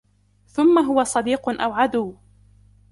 ثُمَّ هُوَ صِدِّيقٌ أَوْ عَدُوٌّ